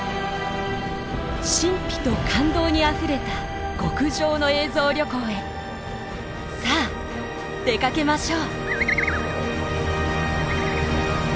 神秘と感動にあふれた極上の映像旅行へさあ出かけましょう！